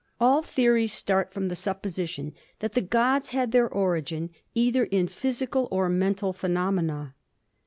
All theories start from the supposition that the gods had their origin either in physical or mental phenomena.